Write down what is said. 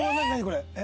これ。